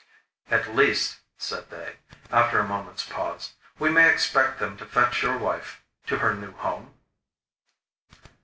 'At least,' said they, after a moment's pause, 'we may expect them to fetch your wife to her new home?